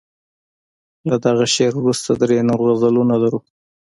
له دغه شعر وروسته درې نور غزلونه لرو.